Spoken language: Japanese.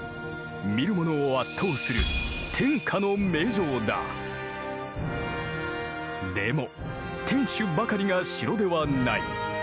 見るものを圧倒するでも天守ばかりが城ではない。